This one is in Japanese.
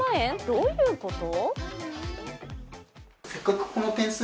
どういうこと？